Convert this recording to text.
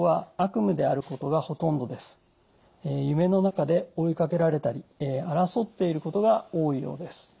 夢の中で追いかけられたり争っていることが多いようです。